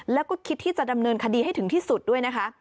แล้วก็คิดที่จะดำเนินคดีให้ถึงที่สุดด้วยนะคะ